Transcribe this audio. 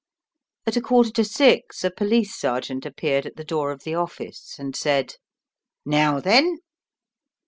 At a quarter to six a police sergeant appeared at the door of the office and said: "Now then."